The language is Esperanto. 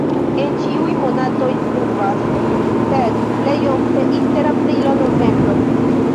En ĉiuj monatoj pluvas, sed plej ofte inter aprilo-novembro.